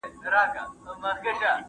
نه یې ږغ سو د چا غوږ ته رسېدلای ,